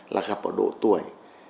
là gặp ở độ tuổi